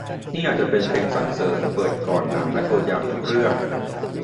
นี่อาจจะมีเพลงสรรเสริญเปิดก่อนหนังและตัวอย่างหนังทุกเรื่อง